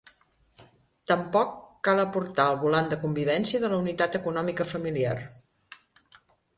Tampoc cal aportar el volant de convivència de la unitat econòmica familiar.